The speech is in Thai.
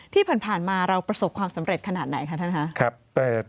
ที่ผ่านมาเราประสบความสำเร็จขนาดไหนคะท่านคะ